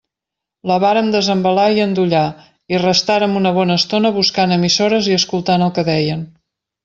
La vàrem desembalar i endollar, i restàrem una bona estona buscant emissores i escoltant el que deien.